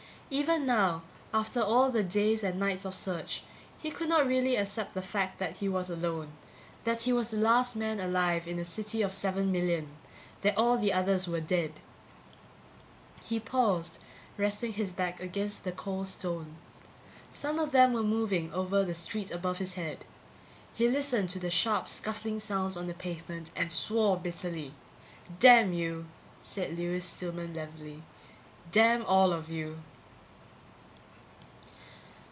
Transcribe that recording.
_ Even now, after all the days and nights of search, he could not really accept the fact that he was alone, that he was the last man alive in a city of seven million, that all the others were dead. He paused, resting his back against the cold stone. Some of them were moving over the street above his head. He listened to the sharp scuffling sounds on the pavement and swore bitterly. "Damn you," said Lewis Stillman levelly. "Damn all of you!"